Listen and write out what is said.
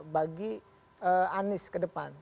bagi anies ke depan